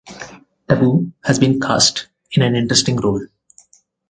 Tabu has been cast in an interesting role.